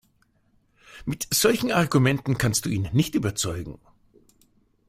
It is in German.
Mit solchen Argumenten kannst du ihn nicht überzeugen.